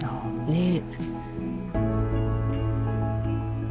ねえ。